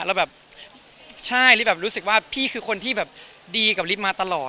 แล้วแบบใช่ฤทธิแบบรู้สึกว่าพี่คือคนที่แบบดีกับฤทธิ์มาตลอด